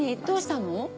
どうしたの？